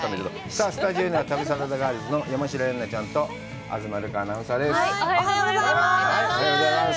さあ、スタジオには旅サラダガールズの山代エンナちゃんと東留伽アナウンサーです。